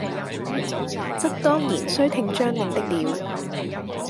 則當然須聽將令的了，